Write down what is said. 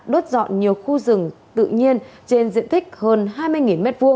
đốt dọn nhiều khu rừng tự nhiên trên diện tích hơn hai mươi m hai